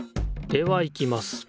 ではいきます。